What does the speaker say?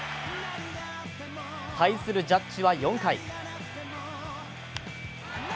対するジャッジは４回。